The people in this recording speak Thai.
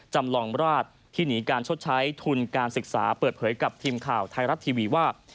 จำลองราชที่หนีการชดใช้ทุนการศึกษาเปิดเผยกับทีมข่าวไทยรัฐทีวีว่า